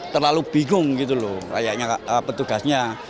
terlalu bingung gitu loh kayaknya petugasnya